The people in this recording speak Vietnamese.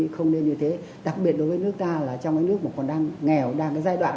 không những chi phí xây dựng rất lớn